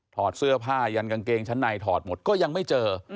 ถอดเสื้อผ้ายันกางเกงชั้นในถอดหมดก็ยังไม่เจอ